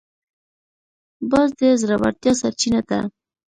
باز د زړورتیا سرچینه ده